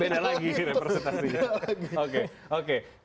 beda lagi representasinya